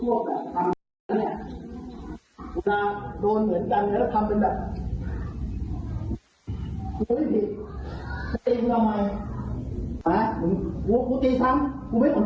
แต่มีความสุขความสุขนะ